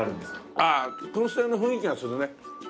ああ燻製の雰囲気がするね。